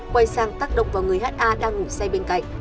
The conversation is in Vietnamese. quay sang tác động vào người ha đang ngủ xe bên cạnh